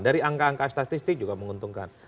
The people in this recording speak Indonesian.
dari angka angka statistik juga menguntungkan